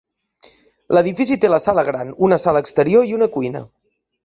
L'edifici té la sala gran, una sala exterior i una cuina.